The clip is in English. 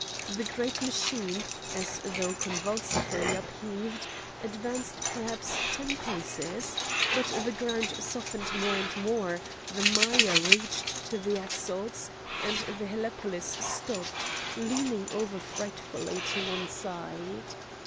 The great machine, as though convulsively upheaved, advanced perhaps ten paces; but the ground softened more and more, the mire reached to the axles, and the helepolis stopped, leaning over frightfully to one side.